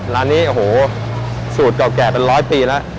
ร้านนี้โอ้โหสูตรเก่าแก่เป็นร้อยปีแล้ว